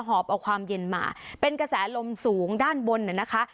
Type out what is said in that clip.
หอบเอาความเย็นมาเป็นกระแสลมสูงด้านบนน่ะนะคะ